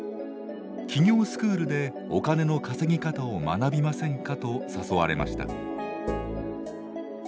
起業スクールでお金の稼ぎ方を学びませんかと誘われました。